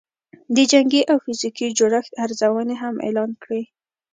د جنګي او فزیکي جوړښت ارزونې هم اعلان کړې